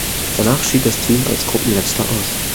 Danach schied das Team als Gruppenletzter aus.